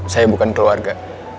saya bukan keluarga